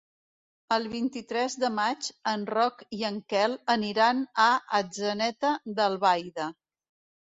El vint-i-tres de maig en Roc i en Quel aniran a Atzeneta d'Albaida.